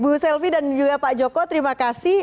bu selvi dan juga pak joko terima kasih